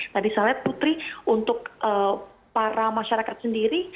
tadi saya lihat putri untuk para masyarakat sendiri